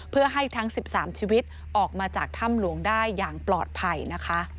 เพื่อให้ทั้ง๑๓ชีวิตออกมาจากถ้ำหลวงได้อย่างปลอดภัยนะคะ